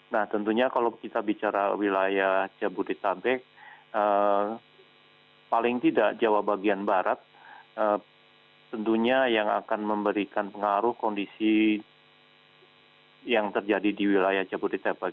nah tentunya kalau kita bicara wilayah jabodetabek paling tidak jawa bagian barat tentunya yang akan memberikan pengaruh kondisi yang terjadi di wilayah jabodetabek